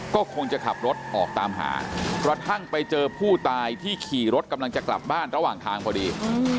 ก็คงจะขับรถออกตามหากระทั่งไปเจอผู้ตายที่ขี่รถกำลังจะกลับบ้านระหว่างทางพอดี